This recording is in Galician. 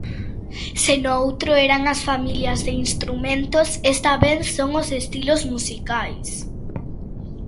Se no outro eran as familias de instrumentos, esta vez son os estilos musicais.